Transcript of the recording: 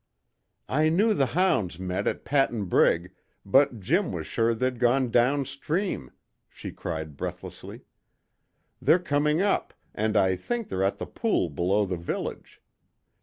"I knew the hounds met at Patten Brig, but Jim was sure they'd go down stream," she cried breathlessly. "They're coming up, and I think they're at the pool below the village.